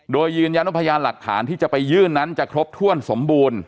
โดยยืนยันว่าพยานหลักฐานที่จะไปยื่นนั้นจะครบถ้วนสมบูรณ์